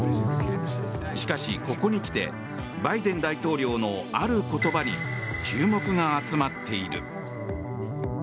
しかし、ここにきてバイデン大統領のある言葉に注目が集まっている。